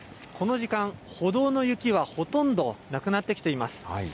この時間、歩道の雪はほとんどなくなってきています。